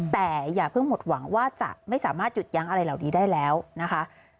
แต่อย่าเพิ่งหมดหวังว่าจะไม่สามารถหยุดยั้งอะไรเหล่านี้ได้แล้วนะคะ